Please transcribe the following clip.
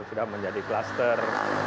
sudah menjadi cluster